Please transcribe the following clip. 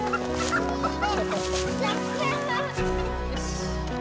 よし！